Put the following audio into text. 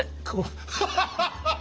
ハハハハッ！